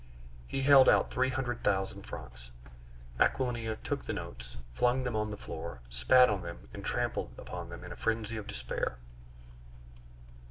He held out three hundred thousand francs. Aquilina took the notes, flung them on the floor, spat on them, and trampled upon them in a frenzy of despair.